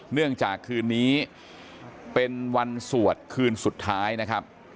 เนื่องจากคืนนี้เป็นวันสวดคืนสุดท้ายนะครับ